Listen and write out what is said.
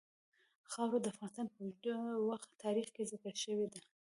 خاوره د افغانستان په اوږده تاریخ کې ذکر شوې ده.